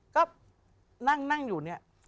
ก็นั่งอยู่เนี่ย